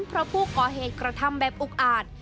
เพราะผู้ก่อเหตุกระทำแบบอุกอาจ